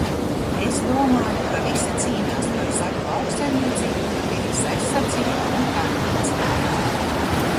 Es domāju, ka visi cīnās par zaļu lauksaimniecību, par vides aizsardzību un tamlīdzīgi.